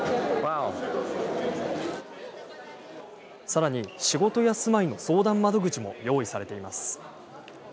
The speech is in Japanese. さらに、仕事や住まいの相談窓口も用意されています。